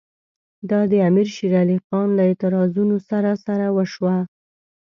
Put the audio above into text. دا د امیر شېر علي خان له اعتراضونو سره سره وشوه.